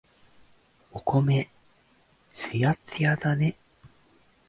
お米、つやっつやだね。